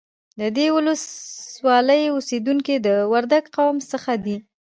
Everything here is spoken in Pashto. د دې ولسوالۍ اوسیدونکي د وردگ قوم څخه دي